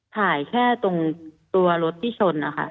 ถ่ายแค่ตัวรถที่ชนอะค่ะ